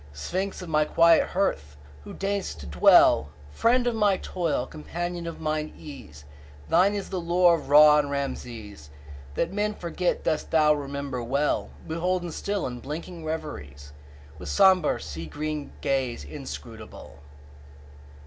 Sphinx of my quiet hearth! who deign'st to dwellFriend of my toil, companion of mine ease, Thine is the lore of Ra and Rameses; That men forget dost thou remember well, Beholden still in blinking reveriesWith sombre, sea green gaze inscrutable.